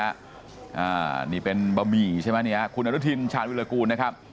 อ่านี่เป็นบะหมี่ใช่ไหมเนี่ยคุณอนุทินชาญวิรากูลนะครับ